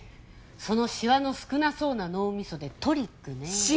そのシワの少なそうな脳みそでトリックねえ。